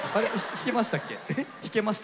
弾けましたっけ？